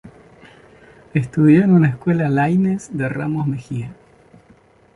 Estudió en una Escuela Láinez de Ramos Mejía.